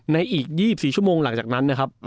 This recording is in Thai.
ในอีก๒๔ชั่วโมงหลังจากนั้นนะครับ